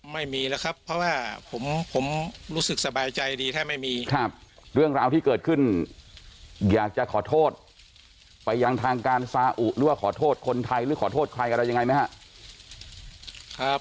ไม่มีแล้วครับเพราะว่าผมรู้สึกสบายใจดีแทบไม่มีครับเรื่องราวที่เกิดขึ้นอยากจะขอโทษไปยังทางการซาอุหรือว่าขอโทษคนไทยหรือขอโทษใครอะไรยังไงไหมครับ